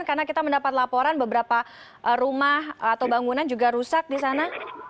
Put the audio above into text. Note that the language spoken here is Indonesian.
karena kita mendapat laporan beberapa rumah atau bangunan juga rusak di sana